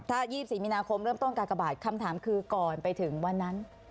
ถ้า๒๔มีนาคมเริ่มต้นกากบาทคำถามคือก่อนไปถึงวันนั้น